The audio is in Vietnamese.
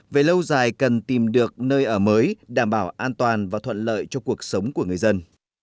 về lâu dài cần tìm được nơi ở mới đảm bảo an toàn và thuận lợi cho cuộc sống của người dân